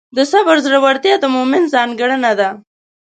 د صبر زړورتیا د مؤمن ځانګړنه ده.